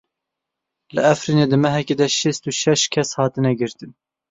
Li Efrînê di mehekê de şêst û şeş kes hatine girtin.